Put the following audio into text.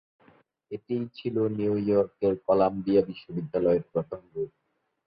এটিই ছিল নিউ ইয়র্কের কলাম্বিয়া বিশ্ববিদ্যালয়ের প্রথম রূপ।